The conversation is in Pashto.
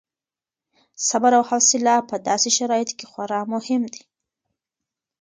صبر او حوصله په داسې شرایطو کې خورا مهم دي.